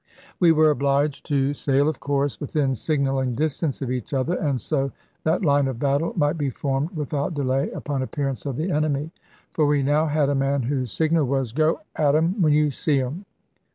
We were obliged to sail, of course, within signalling distance of each other, and so that line of battle might be formed without delay, upon appearance of the enemy. For we now had a man whose signal was "Go at 'em when you see 'em."